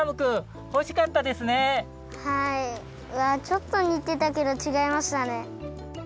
はいちょっとにてたけどちがいましたね。